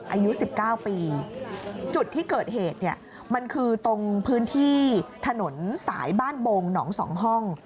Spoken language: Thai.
อายุ๑๙ปีจุดที่เกิดเหตุเนี่ยมันคือตรงพื้นที่ถนนสายบ้านบงหนอง๒ห้อง